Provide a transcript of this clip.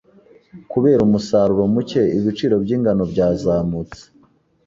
Kubera umusaruro muke, ibiciro by ingano byazamutse.